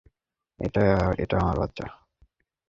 এটা আমার বাচ্চা।